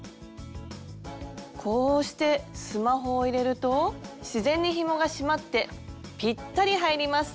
こうしてスマホを入れると自然にひもが締まってピッタリ入ります。